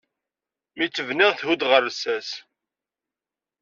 Mi tt-bniɣ, thudd ɣer llsas.